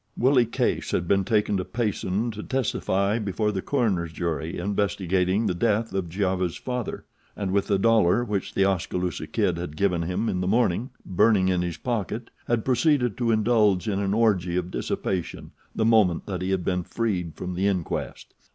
Willie Case had been taken to Payson to testify before the coroner's jury investigating the death of Giova's father, and with the dollar which The Oskaloosa Kid had given him in the morning burning in his pocket had proceeded to indulge in an orgy of dissipation the moment that he had been freed from the inquest.